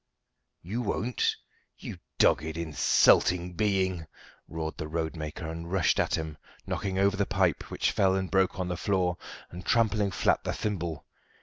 "You won't, you dogged, insulting being?" roared the roadmaker, and rushed at him, knocking over the pipe, which fell and broke on the floor, and trampling flat the thimble.